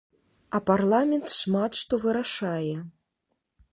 А парламент шмат што вырашае.